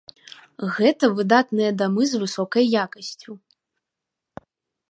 Гэта выдатныя дамы з высокай якасцю.